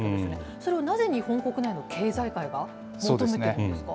それをなぜ、日本国内の経済界が求めてるんですか。